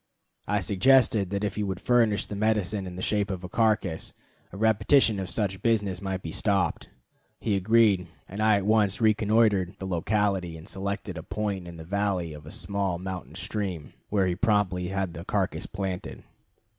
I suggested that if he would furnish the medicine in the shape of a carcass, a repetition of such business might be stopped. He agreed, and I at once reconnoitered the locality and selected a point in the valley of a small mountain stream, where he promptly had the carcass planted.